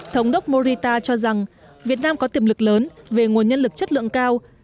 thống đốc morita cho rằng việt nam có tiềm lực lớn về nguồn nhân lực chất lượng cao